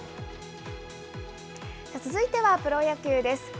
続いてはプロ野球です。